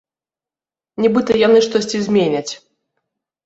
Нібыта яны штосьці зменяць.